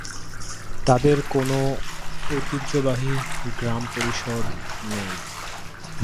তাদের কোনও ঐতিহ্যবাহী গ্রাম পরিষদ নেই।